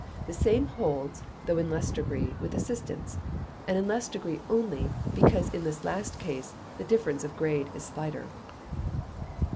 The same holds, though in less degree, with assistants; and in less degree only; because in this last case, the difference of grade is slighter.